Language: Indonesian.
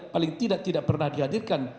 paling tidak tidak pernah dihadirkan